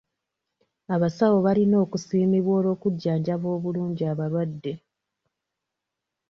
Abasawo balina okusiimibwa olw'okujjanjaba obulungi abalwadde.